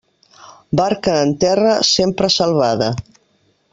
Barca en terra, sempre salvada.